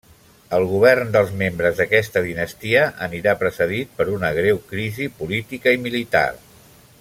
El govern dels membres d'aquesta dinastia anirà precedit per una greu crisi política i militar.